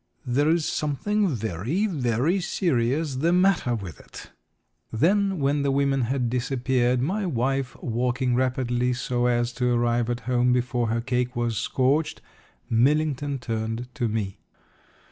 There is something very, very serious the matter with it." Then, when the women had disappeared, my wife walking rapidly so as to arrive at home before her cake was scorched, Millington turned to me.